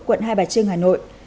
quận hai bà trưng hà nội